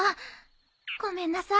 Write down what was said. ごめんなさい。